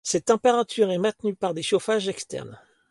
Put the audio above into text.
Cette température était maintenue par des chauffages externes.